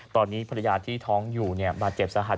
ตอนนี้ภรรยาที่ท้องอยู่บาดเจ็บสาหัส